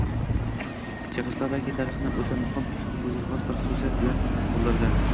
Chexoslovakiya tarixini o‘ta muhim o‘ziga xos bir xususiyat bilan to‘ldirdi: